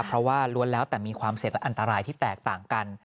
เพราะว่าล้วนแล้วแต่มีความเสร็จและอันตรายที่แตกต่างกัน